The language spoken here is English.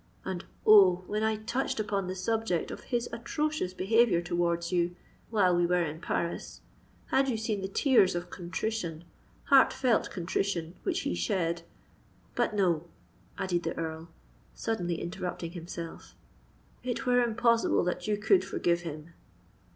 And, oh! when I touched upon the subject of his atrocious behaviour towards you—while we were in Paris—had you seen the tears of contrition—heart felt contrition which he shed——But, no," added the Earl, suddenly interrupting himself,—"it were impossible that you could forgive him!"